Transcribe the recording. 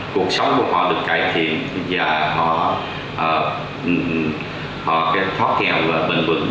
cuộc sống của họ được cải thiện và họ thoát nghèo và bền vững